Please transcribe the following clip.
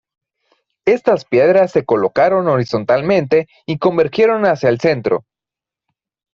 Estas piedras se colocaron horizontalmente y convergieron hacia el centro.